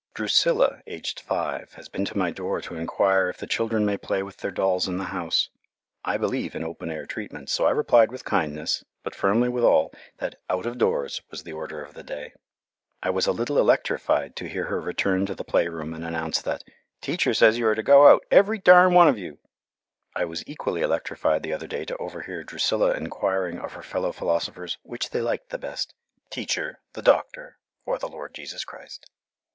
Drusilla, aged five, has been to my door to enquire if the children may play with their dolls in the house. I believe in open air treatment, so I replied with kindness, but firmly withal, that "out of doors" was the order of the day. I was a little electrified to hear her return to the playroom and announce that "Teacher says you are to go out, every darned one of you!" I was equally electrified the other day to overhear Drusilla enquiring of her fellow philosophers which they liked the best, "Teacher, the Doctor, or the Lord Jesus Christ."